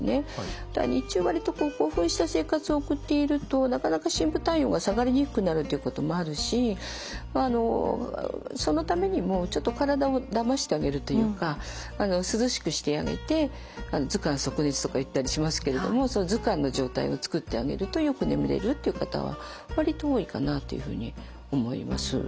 だから日中割と興奮した生活を送っているとなかなか深部体温が下がりにくくなるっていうこともあるしそのためにもちょっと体をだましてあげるというか涼しくしてあげて「頭寒足熱」とか言ったりしますけれどもその頭寒の状態を作ってあげるとよく眠れるっていう方は割と多いかなっていうふうに思います。